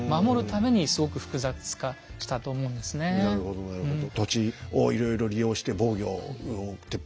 なるほどなるほど。